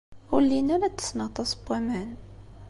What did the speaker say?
Ur llin ara ttessen aṭas n waman.